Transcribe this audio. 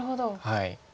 はい。